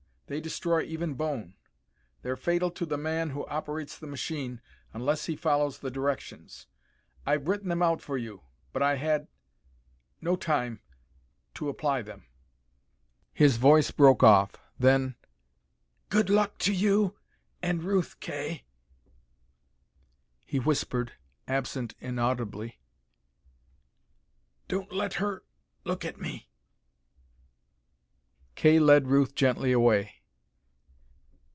They destroy even bone. They're fatal to the man who operates the machine, unless he follows the directions. I've written them out for you, but I had no time to apply them." His voice broke off. Then, "Good luck to you and Ruth, Kay," he whispered, absent inaudibly. "Don't let her look at me." Kay led Ruth gently away.